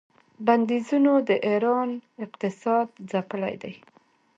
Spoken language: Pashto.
بندیزونو د ایران اقتصاد ځپلی دی.